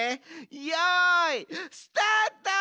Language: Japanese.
よいスタート！